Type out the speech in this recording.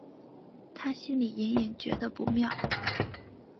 她心里隐隐觉得不妙